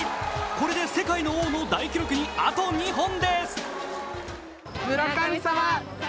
これで世界の王の大記録に、あと２本です。